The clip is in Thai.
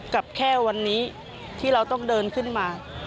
กับแค่วันนี้ที่เราต้องเดินขึ้นมา